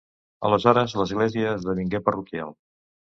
Aleshores l'església esdevingué parroquial.